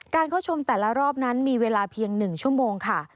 เข้าชมแต่ละรอบนั้นมีเวลาเพียง๑ชั่วโมงค่ะ